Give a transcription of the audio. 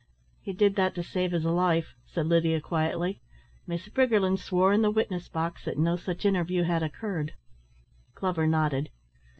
"He did that to save his life," said Lydia quietly. "Miss Briggerland swore in the witness box that no such interview had occurred." Glover nodded.